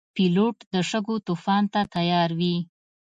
پیلوټ د شګو طوفان ته تیار وي.